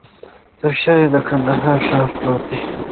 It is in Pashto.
تر شاه یې د کندهار ښار پروت دی.